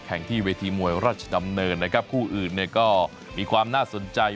ที่เวทีมวยราชดำเนินนะครับคู่อื่นเนี่ยก็มีความน่าสนใจ